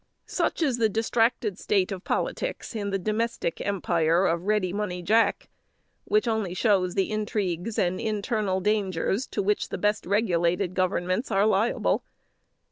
Such is the distracted state of politics in the domestic empire of Ready Money Jack; which only shows the intrigues and internal dangers to which the best regulated governments are liable.